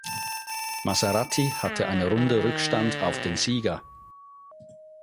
Maserati hatte eine Runde Rückstand auf den Sieger.